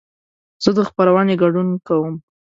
زه د خپرونې ګډون کوم.